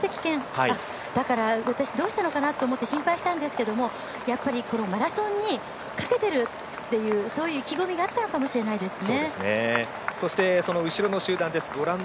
だから、私どうしたのかなと思って心配したんですけれどもマラソンにかけてるという意気込みがあったのかもしれないですね。